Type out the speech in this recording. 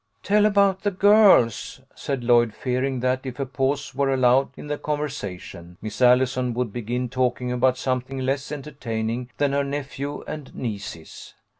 "" Tell about the girls," said Lloyd, fearing that if a pause were allowed in the conversation Miss Allison would begin talking about something less entertaining than her nephew and nieces.